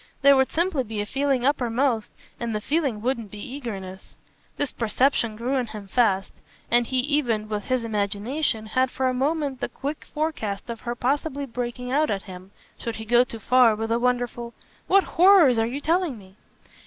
There would simply be a feeling uppermost, and the feeling wouldn't be eagerness. This perception grew in him fast, and he even, with his imagination, had for a moment the quick forecast of her possibly breaking out at him, should he go too far, with a wonderful: "What horrors are you telling me?"